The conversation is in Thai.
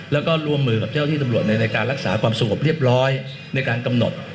แล้วก็ร่วมมือกับเจ้าที่ตำรวจในการรักษาความสงบเรียบร้อยในการกำหนด